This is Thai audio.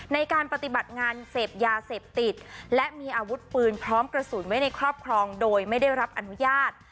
ในการปฏิบัติงานเสพยาเสพติดและมีอาวุธปืนพร้อมกระสุนไว้ในครอบครองโดยไม่ได้รับอนุญาต